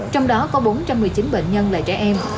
trong đó có bốn trăm một mươi chín bệnh nhân là trẻ em